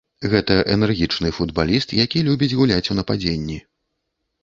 Гэта энергічны футбаліст, які любіць гуляць у нападзенні.